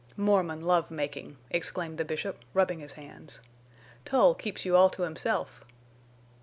"Mormon love making!" exclaimed the Bishop, rubbing his hands. "Tull keeps you all to himself."